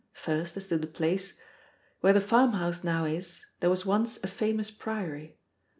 First, as to the place: Where the farmhouse now is, there was once a famous priory.